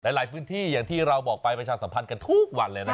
หลายพื้นที่อย่างที่เราบอกไปประชาสัมพันธ์กันทุกวันเลยนะ